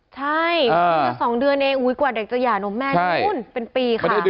ใช่มา๒เดือนเองกว่าเด็กจะหย่านมแม่นู้นเป็นปีค่ะ